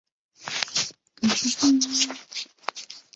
欧瓦黄藓为油藓科黄藓属下的一个种。